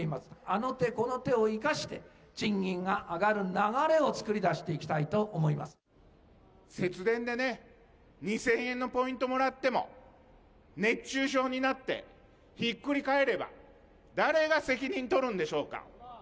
あの手この手を生かして、賃金が上がる流れを作り出していきたい節電でね、２０００円のポイントもらっても、熱中症になってひっくり返れば、誰が責任取るんでしょうか。